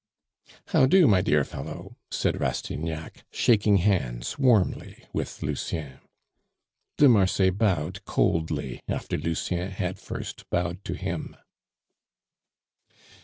"How 'do, my dear fellow?" said Rastignac, shaking hands warmly with Lucien. De Marsay bowed coldly after Lucien had first bowed to him.